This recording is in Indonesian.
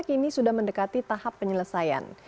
kini sudah mendekati tahap penyelesaian